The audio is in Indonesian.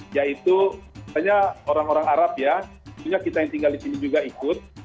yaitu hanya orang orang arab ya tentunya kita yang tinggal di sini juga ikut